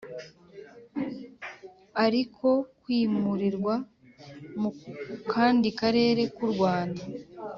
ariko kwimurirwa mu kandi karere k u Rwanda